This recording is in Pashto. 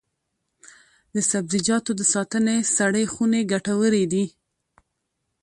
د سبزیجاتو د ساتنې سړې خونې ګټورې دي.